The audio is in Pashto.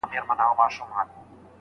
د ځوانيمرگ نقيب د هر غزل په سترگو کې يم